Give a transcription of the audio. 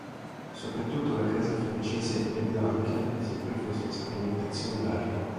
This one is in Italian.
Soprattutto la casa francese Leblanc si è profusa in sperimentazioni varie.